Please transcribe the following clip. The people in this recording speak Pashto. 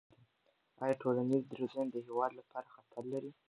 آیا ټولنیز درزونه د هېواد لپاره خطر لري؟